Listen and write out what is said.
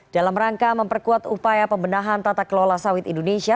dalam rangka memperkuat upaya pembenahan tata kelola sawit indonesia